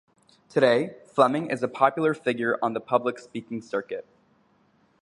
Today, Fleming is a popular figure on the public speaking circuit.